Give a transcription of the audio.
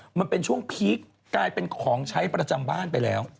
มันเป็นช่วงพีคกลายเป็นของใช้ประจำบ้านไปแล้ว